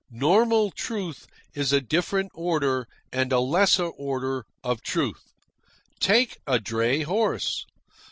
Normal truth is a different order, and a lesser order, of truth. Take a dray horse.